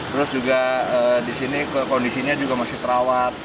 terus juga di sini kondisinya juga masih terawat